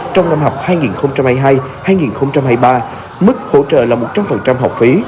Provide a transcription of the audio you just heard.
trong năm học hai nghìn hai mươi hai hai nghìn hai mươi ba mức hỗ trợ là một trăm linh học phí